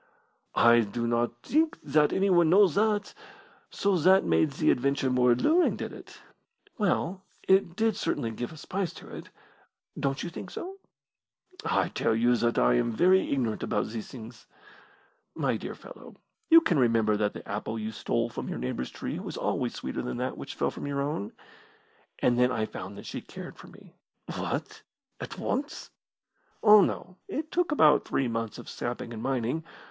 "I do not think that anyone knows that. So that made the adventure more alluring, did it?" "Well, it did certainly give a spice to it. Don't you think so?" "I tell you that I am very ignorant about these things." "My dear fellow, you can remember that the apple you stole from your neighbour's tree was always sweeter than that which fell from your own. And then I found that she cared for me." "What at once?" "Oh, no, it took about three months of sapping and mining.